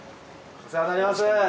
お世話になります。